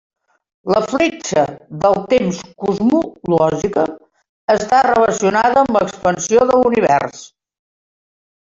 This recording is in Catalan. La fletxa del temps cosmològica està relacionada amb l'expansió de l'univers.